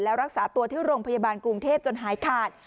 แล้วรักษาตัวที่โรงพยาบาลกรุงเทพจนหายขาด